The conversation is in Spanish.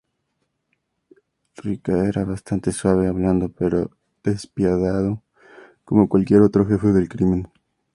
Ricca era bastante suave hablando, pero era despiadado como cualquier otro jefe del crimen.